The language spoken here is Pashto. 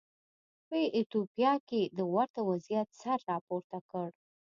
په ایتوپیا کې د ورته وضعیت سر راپورته کړ.